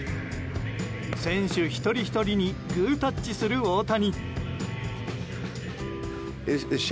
選手一人ひとりにグータッチする大谷。